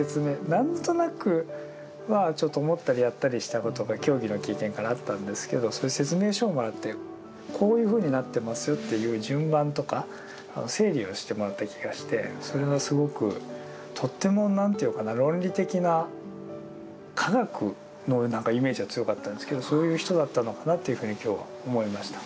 何となく思ったりやったりしたことが競技の経験からあったんですけどそういう説明書をもらってこういうふうになってますよっていう順番とか整理をしてもらった気がしてそれはすごくとっても何ていうかな論理的な科学のイメージが強かったんですけどそういう人だったのかなっていうふうに今日は思いました。